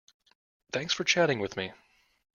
Thanks for chatting with me.